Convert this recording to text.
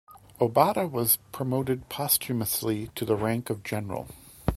Obata was promoted posthumously to the rank of general.